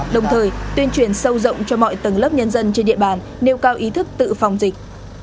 đồng thời tuyên truyền sâu rộng cho mọi tầng lớp nhân dân trên địa bàn nêu cao ý thức tự phòng dịch